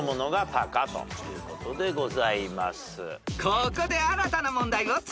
［ここで新たな問題を追加］